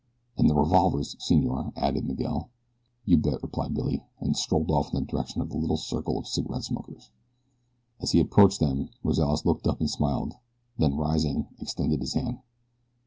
"And the revolvers, senor," added Miguel. "You bet," replied Billy, and strolled off in the direction of the little circle of cigarette smokers. As he approached them Rozales looked up and smiled. Then, rising, extended his hand.